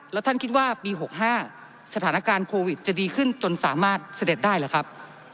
แล้วท่านคิดว่าปี๖๕สถานการณ์โควิดจะดีขึ้นจนสามารถเสด็จได้หรือครับ